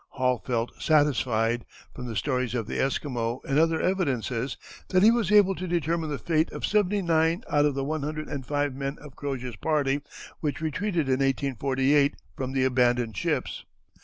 Hall felt satisfied, from the stories of the Esquimaux and other evidences, that he was able to determine the fate of seventy nine out of the one hundred and five men of Crozier's party, which retreated in 1848 from the abandoned ships.